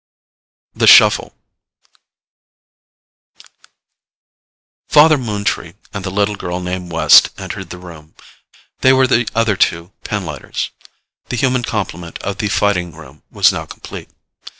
THE SHUFFLE Father Moontree and the little girl named West entered the room. They were the other two pinlighters. The human complement of the Fighting Room was now complete.